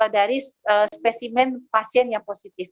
dari spesimen pasien yang positif